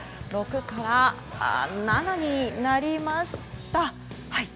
６から７になりました。